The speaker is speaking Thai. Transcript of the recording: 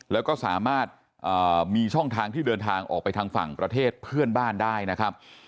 แล้วก็สามารถมีช่องทางที่เดินทางออกไปทางฝั่งประเทศเพื่อนบ้านได้นะครับ